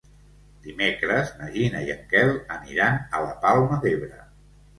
Dimecres na Gina i en Quel aniran a la Palma d'Ebre.